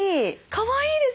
かわいいです。